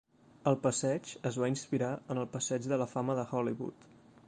El passeig es va inspirar en el Passeig de la Fama de Hollywood.